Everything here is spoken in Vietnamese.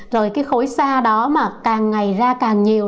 rồi cái khối xa đó mà càng ngày ra càng nhiều